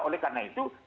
oleh karena itu